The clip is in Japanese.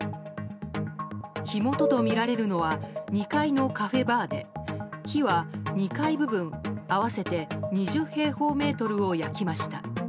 火元とみられるのは２階のカフェバーで火は、２階部分合わせて２０平方メートルを焼きました。